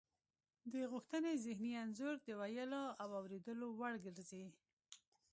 د غوښتنې ذهني انځور د ویلو او اوریدلو وړ ګرځي